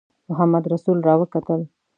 محمدرسول را وکتل.